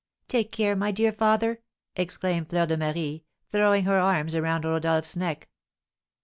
"Take care, my dear father!" exclaimed Fleur de Marie, throwing her arms around Rodolph's neck.